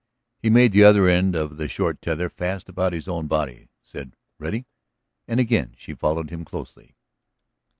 He made the other end of the short tether fast about his own body, said "Ready?" and again she followed him closely.